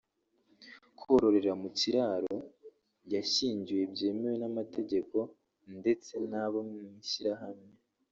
kororera mu kiraro; yashyingiwe byemewe n’amategeko ndetse n’aba mu ishyirahamwe